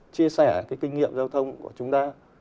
chia sẻ cái kinh nghiệm giao thông của chúng ta